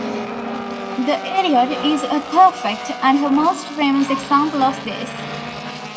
"The Idiot" is a perfect, and her most famous, example of this.